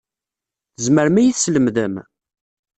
Tzemrem ad iyi-teslemdem?